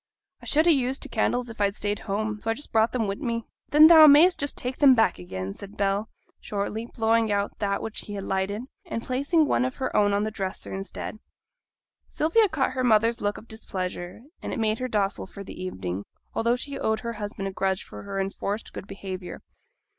I should ha' used t' candles if I'd stayed at home, so I just brought them wi' me.' 'Then thou may'st just take them back again,' said Bell, shortly, blowing out that which he had lighted, and placing one of her own on the dresser instead. Sylvia caught her mother's look of displeasure, and it made her docile for the evening, although she owed her cousin a grudge for her enforced good behaviour.